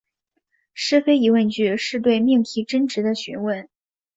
是非疑问句是对命题真值的询问。